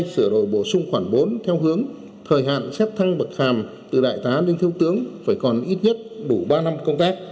sửa đổi bổ sung khoảng bốn theo hướng thời hạn xét thăng bậc hàm từ đại tá đến thương tướng phải còn ít nhất bủ ba năm công tác